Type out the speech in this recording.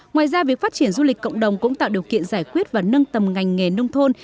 ngoài ra việc phát triển du lịch cộng đồng cũng tạo điều kiện giải quyết và nâng tầm ngành nghề nông thôn